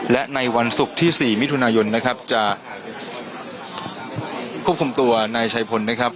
และในวันศุกร์ที่๔มิถุนายนนะครับจะควบคุมตัวนายชัยพลนะครับ